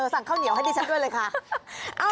สั่งข้าวเหนียวให้ดิฉันด้วยเลยค่ะ